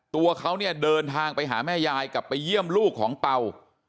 ตัวเขาเนี่ยเดินทางไปหาแม่ยายกลับไปเยี่ยมลูกของเป่า